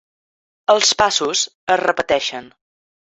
Els passos es repeteixen